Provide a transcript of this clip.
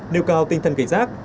nêu cao tinh thần cảnh giác